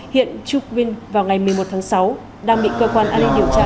hiện trúc vinh vào ngày một mươi một tháng sáu đang bị cơ quan an ninh điều tra